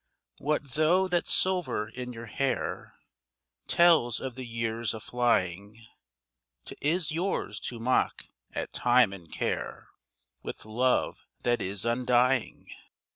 What though that silver in your hair Tells of the years aflying? 'T is yours to mock at Time and Care With love that is undying.